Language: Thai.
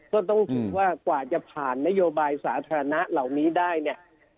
ก็ต้องถือว่ากว่าจะผ่านนโยบายสาธารณะเหล่านี้ได้เนี่ย